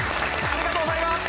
ありがとうございます！